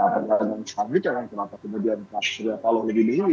karena misalnya kita yang kemudian surya palu yang dimilih